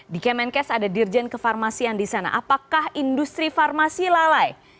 di kemenkes ada dirjen kefarmasian di sana apakah industri farmasi lalai